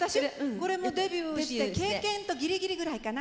これもデビューして「経験」とギリギリぐらいかな。